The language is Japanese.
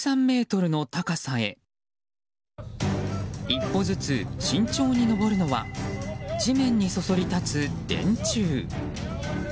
一歩ずつ慎重に登るのは地面にそそり立つ電柱。